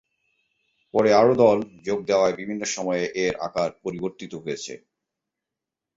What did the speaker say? পরে আরো দল যোগ দেয়ায় বিভিন্ন সময়ে এর আকার পরিবর্তিত হয়েছে।